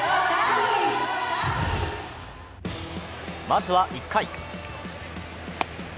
まずは１回。